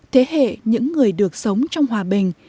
thế hệ những người được sống trong hòa bình